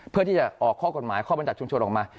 เพื่อที่จะออกข้อกฎหมายข้อบรรยัชชุมชนออกมา